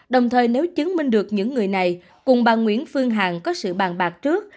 đồng thời nếu chứng minh được những người này cùng bà nguyễn phương hằng có sự bàn bạc trước